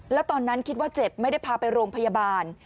แล้วตอนนั้นคิดว่าเจ็บไม่ได้พาไปโรงพยาบาล